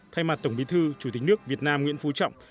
thay mặt tổng bí thư chủ tịch nước việt nam nguyễn phú trọng